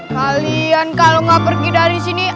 kalian kalau nggak pergi dari sini